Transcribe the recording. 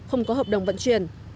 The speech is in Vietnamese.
không có hợp đồng vận chuyển